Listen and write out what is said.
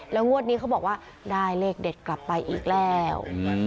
แล้วงวดนี้เขาบอกว่าได้เลขเด็ดกลับไปอีกแล้ว